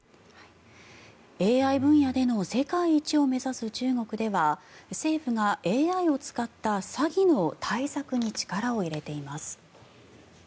ＡＩ分野での世界一を目指す中国では政府がＡＩを使った詐欺の対策に力を入れています。